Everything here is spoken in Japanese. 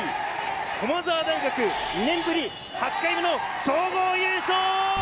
駒澤大学、２年ぶり８回目の総合優勝！